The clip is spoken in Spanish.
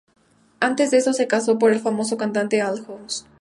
Antes de eso se casó con el famoso cantante Al Jolson.